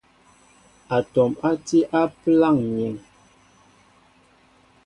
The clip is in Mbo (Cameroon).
Atɔm á ti á pəláŋ myēn.